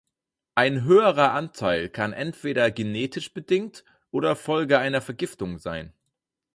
Ein höherer Anteil kann entweder genetisch bedingt oder Folge einer Vergiftung sein.